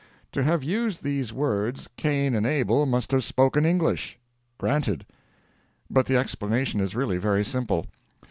To have used these words, Cain and Abel must have spoken English. Granted. But the explanation is really very simple.